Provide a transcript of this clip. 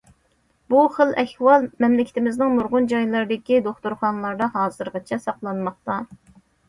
بۇ خىل ئەھۋال مەملىكىتىمىزنىڭ نۇرغۇن جايلىرىدىكى دوختۇرخانىلاردا ھازىرغىچە ساقلانماقتا.